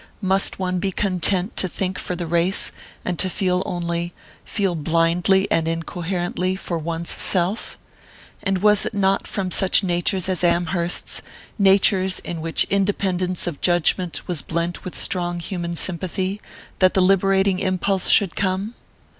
Must one be content to think for the race, and to feel only feel blindly and incoherently for one's self? And was it not from such natures as Amherst's natures in which independence of judgment was blent with strong human sympathy that the liberating impulse should come?